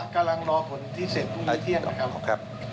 กำลังรอผลที่เสร็จพรุ่งนี้เที่ยงนะครับ